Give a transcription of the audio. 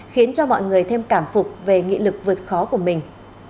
khiến cho mọi người thêm cảm phục về nghị lực vượt khó của mình